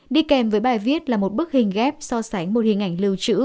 đi kèm với bài viết là một bức hình ghép so sánh một hình ảnh lưu trữ